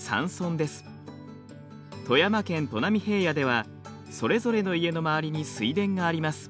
富山県砺波平野ではそれぞれの家の周りに水田があります。